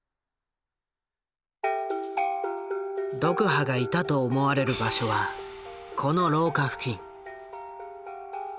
ドクハがいたと思われる場所はこの廊下付近。